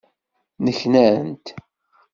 Nneknant.